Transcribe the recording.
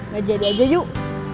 ya jadi aja yuk